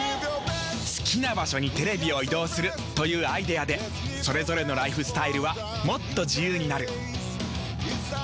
好きな場所にテレビを移動するというアイデアでそれぞれのライフスタイルはもっと自由になる。